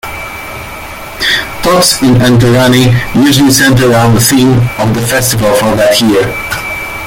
Talks in Antaragni usually center around the theme of the festival for that year.